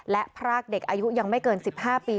และพรากเด็กอายุยังไม่เกิน๑๕ปี